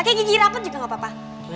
pakai gigi rapet juga gak apa apa